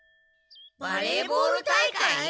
バレーボール大会？